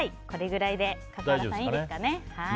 これぐらいでいいですかね。